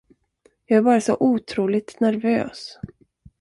Jag är bara så otroligt nervös.